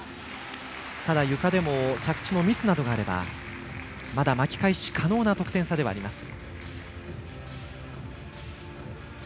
ただ、ゆかでも着地のミスなどがあればまだ巻き返し可能な得点差ではあります。